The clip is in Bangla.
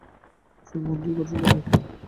চোখ বন্ধ করে রাখো।